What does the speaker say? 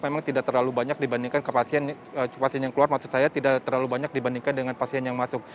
memang tidak terlalu banyak dibandingkan dengan pasien yang masuk